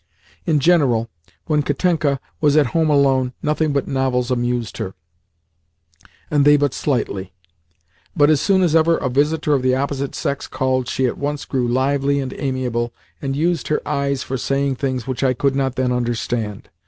In general, when Katenka was at home alone, nothing but novels amused her, and they but slightly; but as soon as ever a visitor of the opposite sex called, she at once grew lively and amiable, and used her eyes for saying things which I could not then understand.